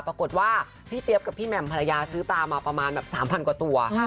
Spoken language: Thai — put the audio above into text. ปรากฏว่าพี่เจี๊ยบกับพี่แหม่มภรรยาซื้อตามาประมาณแบบ๓๐๐กว่าตัว